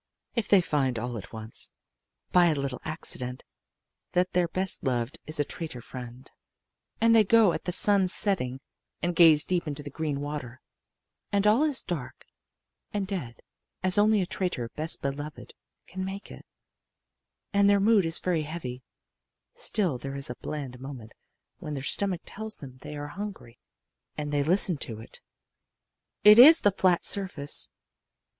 If they find all at once, by a little accident, that their best loved is a traitor friend, and they go at the sun's setting and gaze deep into the green water, and all is dark and dead as only a traitor best beloved can make it, and their mood is very heavy still there is a bland moment when their stomach tells them they are hungry, and they listen to it. It is the flat surface.